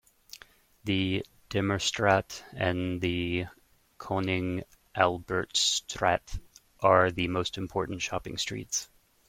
The Demerstraat and the Koning Albertstraat are the most important shopping streets.